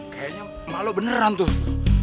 kayaknya emak lo beneran tuh